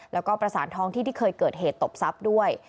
แล้วก็ประสานท้องที่ที่เคยเกิดเหตุตบทรัพย์ด้วย